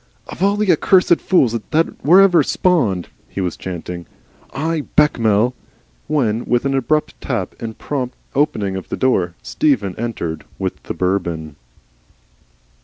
"Of all the accursed fools that were ever spawned," he was chanting, "I, Bechamel " when with an abrupt tap and prompt opening of the door, Stephen entered with the Bourbon.